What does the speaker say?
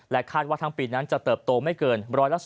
คาดว่าทั้งปีนั้นจะเติบโตไม่เกิน๑๓